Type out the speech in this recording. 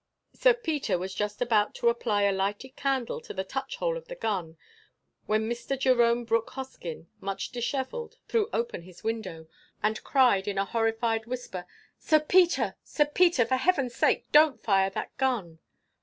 Sir Peter was just about to apply a lighted candle to the touch hole of the gun, when Mr. Jerome Brooke Hoskyn, much dishevelled, threw open his window, and cried in a horrified whisper, "Sir Peter! Sir Peter!—For Heaven's sake, don't fire that gun!"